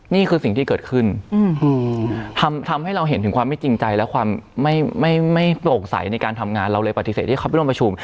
นี่คือสิ่งที่เกิดขึ้นทำให้เราเห็นถึงความไม่จริงใจและความไม่โปร่งใสในการทำงานเราเลยปฏิเสธที่เขาไปร่วมประชุม